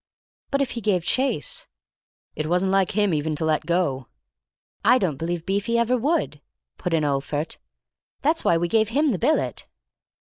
"But if he gave chase!" "It wasn't like him even to let go." "I don't believe Beefy ever would," put in Olphert. "That's why we gave him the billet."